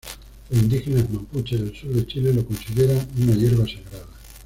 Los indígenas Mapuche del sur de Chile lo consideran una hierba sagrada.